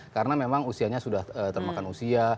karena memang usianya sudah termakan usia